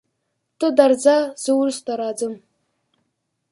ته درځه زه وروسته راځم.